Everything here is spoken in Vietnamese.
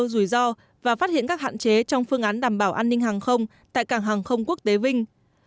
rủi ro và phát hiện các hạn chế trong phương án đảm bảo an ninh hàng không tại cảng hàng không quốc tế vinh